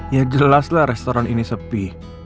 ya jelaslah restoran ini sepi